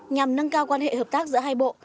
nhằm nâng cao quan hệ hợp tác giữa hai bộ